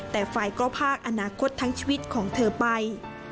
แต่ไฟล์ก็พากอนาคตทั้งชีวิตของเธอไป